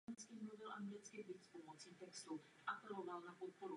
Byla po něm také pojmenována jedna ulice v Bratislavě.